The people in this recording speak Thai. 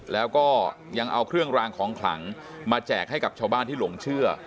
แล้วก็ยังเอาเครื่องรางของขลังมาแจกให้กับชาวบ้านที่หลงเชื่อ